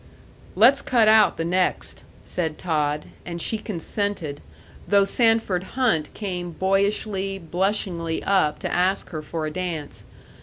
"Let's cut out the next," said Todd, and she consented, though Sanford Hunt came boyishly, blushingly up to ask her for a dance....